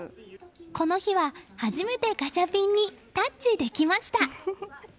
この日は、初めてガチャピンにタッチできました！